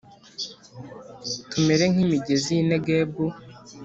Tumere nk imigezi y i Negebu